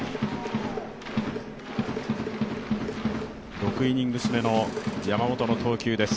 ６イニングス目の山本の投球です。